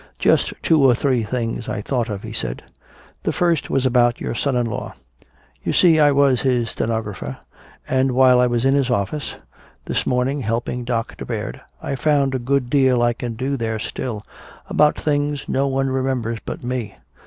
"Just two or three things I thought of," he said. "The first was about your son in law. You see, I was his stenographer and while I was in his office this morning helping Doctor Baird I found a good deal I can do there still about things no one remembers but me.